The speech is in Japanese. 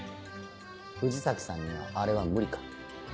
藤崎さんにはあれは無理か。